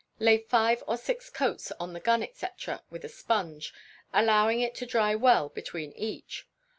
Lay five or six coats on the gun, &c., with a sponge, allowing it to dry well between each.